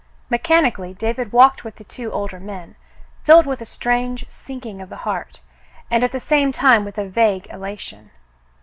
Mechanically David walked with the two older men, filled with a strange sinking of the heart, and at the same time with a vague elation.